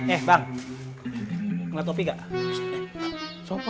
eh bang ngeliat topi gak